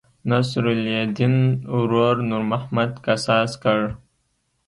نصرالیدن ورور نور محمد قصاص کړ.